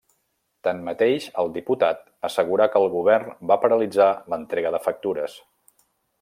Tanmateix, el diputat assegurà que el Govern va paralitzar l'entrega de factures.